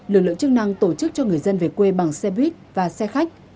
lực lượng chức năng tổ chức cho người dân về quê bằng xe buýt và xe khách